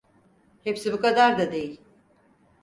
Hepsi bu kadar da değil.